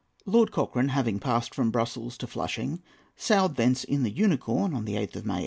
] Lord Cochrane, having passed from Brussels to Flushing, sailed thence in the Unicorn on the 8th of May, 1826.